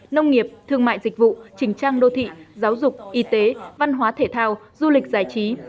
nông nghiệp thương mại dịch vụ trình trang đô thị giáo dục y tế văn hóa thể thao du lịch giải trí